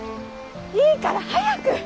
いいから早く！